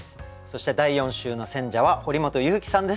そして第４週の選者は堀本裕樹さんです。